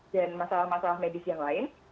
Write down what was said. dan masalah masalah medis yang lain